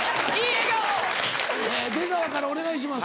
出川からお願いします。